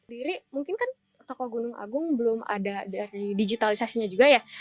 diri mungkin kan toko gunung agung belum ada dari digitalisasinya juga ya